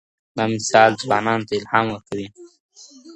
دا مثال ځوانانو ته الهام ورکوي.